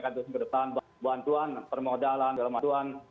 kandung ke depan bantuan permodalan